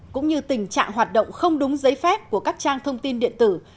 cũng như tình trạng hoạt động không đúng giấy phép của các trang thông tin điện tử